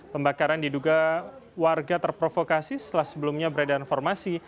pembakaran diduga warga terprovokasi setelah sebelumnya beredaran informasi